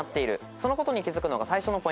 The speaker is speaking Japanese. そのことに気付くのが最初のポイントです。